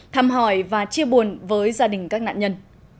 thăm hỏi và chia buồn với gia đình các nạn nhân